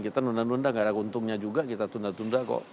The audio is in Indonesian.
kita nunda nunda nggak ada untungnya juga kita tunda tunda kok